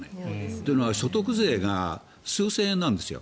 というのは所得税が数千円なんですよ。